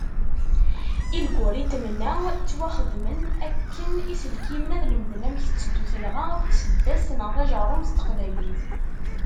Ilguritmen-a, ttwaxedmen akken iselkimen ad lemden amek tetteddu telɣa akked tseddast neɣ tajerrumt n teqbaylit.